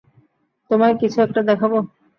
তোমায় কিছু একটা দেখাবো!